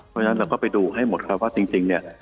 เพราะฉะนั้นเราก็ไปดูให้หมดครับว่าจริงเนี่ย